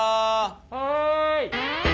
・はい！